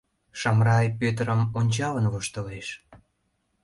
Шамрай Пӧтырым ончалын воштылеш.